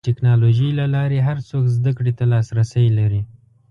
د ټکنالوجۍ له لارې هر څوک زدهکړې ته لاسرسی لري.